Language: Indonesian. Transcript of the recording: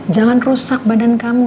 jangan rusak badan kamu